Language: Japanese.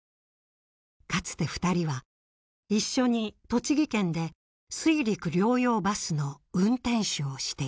かつて２人は一緒に栃木県で水陸両用バスの運転手をしていた。